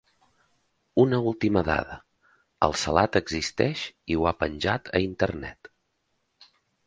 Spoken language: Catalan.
Una última dada: el salat existeix i ho ha penjat a Internet.